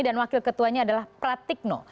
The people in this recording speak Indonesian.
dan wakil ketuanya adalah pratikno